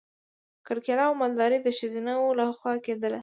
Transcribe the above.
کرکیله او مالداري د ښځینه وو لخوا کیدله.